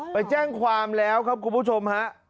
ไปแจ้งความแล้วครับคุณผู้ชมฮะ